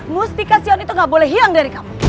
mustika sion itu gak boleh hilang dari kamu